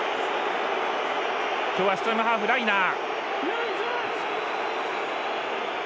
今日はスクラムハーフライナー。